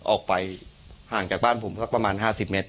ออกไปห่างจากบ้านผมสักประมาณ๕๐เมตร